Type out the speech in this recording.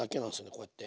こうやって。